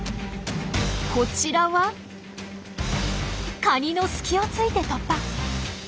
こちらはカニの隙をついて突破。